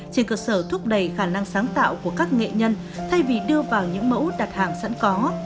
trên cơ sở thúc đẩy khả năng sáng tạo của các nghệ nhân thay vì đưa vào những mẫu đặt hàng sẵn có